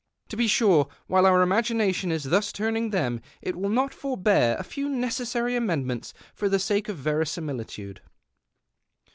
To be sure, while our imagination is thus turning them, it will not forbear a few necessary amendments for the sake of verisimilitude.